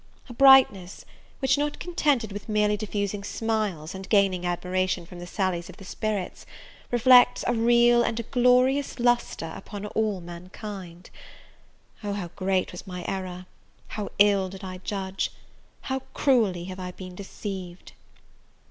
a brightness, which, not contented with merely diffusing smiles, and gaining admiration from the sallies of the spirits, reflects a real and a glorious lustre upon all mankind! Oh, how great was my error! how ill did I judge! how cruelly have I been deceived!